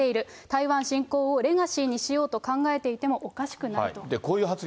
台湾侵攻をレガシーにしようと考えていてもおかしくないと。